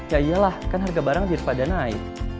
ya iyalah kan harga barang jadi pada naik